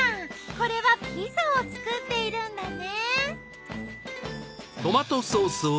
これはピザを作っているんだね。